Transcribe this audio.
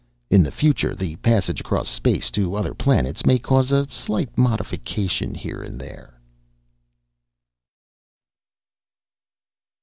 In the future, the passage across space to other planets may cause a slight modification here and there